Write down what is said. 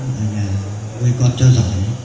là nhà nuôi con cho giỏi